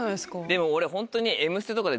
でも俺ホントに。